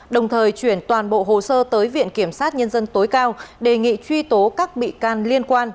đồng thời chuyển toàn bộ hồ sơ tới viện kiểm sát nhân dân tối cao đề nghị truy tố các bị can liên quan